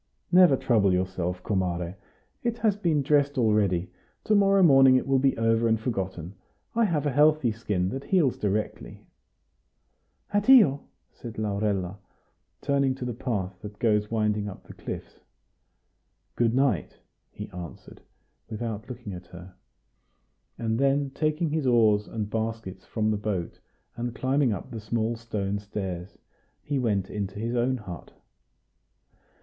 "Never trouble yourself, comare. It has been dressed already; to morrow morning it will be all over and forgotten. I have a healthy skin, that heals directly." "Addio!" said Laurella, turning to the path that goes winding up the cliffs. "Good night!" he answered, without looking at her; and then taking his oars and baskets from the boat, and climbing up the small stone stairs, he went into his own hut.